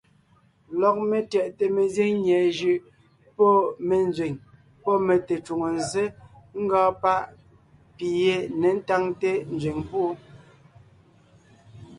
Lɔg metyɛʼte mezíŋ nyɛ̀ɛ jʉʼ, pɔ́ me nzẅìŋ, pɔ́ me tecwòŋo nzsé ngɔɔn páʼ pi yé ně táŋte nzẅìŋ púʼu.